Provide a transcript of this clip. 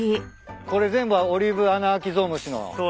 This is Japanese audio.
これ全部オリーブアナアキゾウムシの仕業？